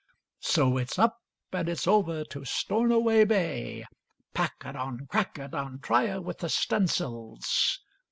So it's up and its over to Stornoway Bay, Pack it on! Crack it on! Try her with the stunsails!